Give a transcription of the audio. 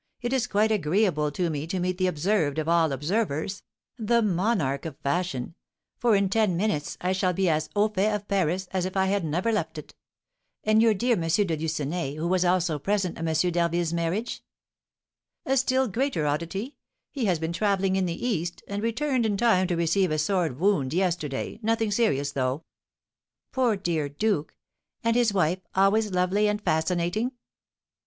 It is quite agreeable to me to meet the 'observed of all observers,' the monarch of fashion, for, in ten minutes, I shall be as au fait of Paris as if I had never left it. And your dear M. de Lucenay, who was also present at M. d'Harville's marriage?" "A still greater oddity. He has been travelling in the East, and returned in time to receive a sword wound yesterday, nothing serious, though." "Poor dear duke! And his wife, always lovely and fascinating?"